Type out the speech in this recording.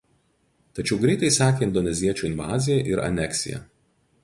Tačiau greitai sekė indoneziečių invazija ir aneksija.